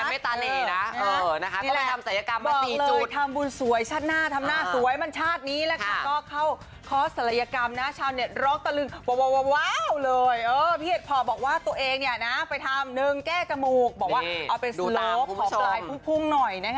ว้าวเลยเออพี่เห็ดเพราะบอกว่าตัวเองเนี่ยนะไปทำ๑แก้กระมูกบอกว่าเอาเป็นสโลกของกลายภูมิหน่อยนะฮะ